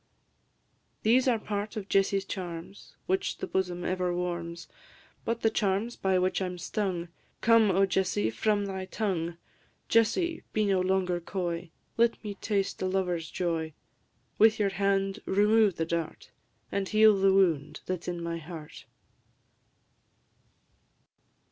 These are part of Jessie's charms, Which the bosom ever warms; But the charms by which I 'm stung, Come, O Jessie, from thy tongue! Jessie, be no longer coy; Let me taste a lover's joy; With your hand remove the dart, And heal the wound that 's in my heart.